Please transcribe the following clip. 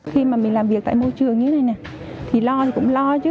khi mà mình làm việc tại môi trường như thế này nè thì lo thì cũng lo chứ